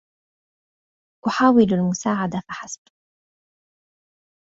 أحاول المساعدة فحسب.